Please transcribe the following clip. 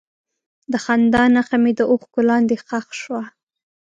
د خندا نښه مې د اوښکو لاندې ښخ شوه.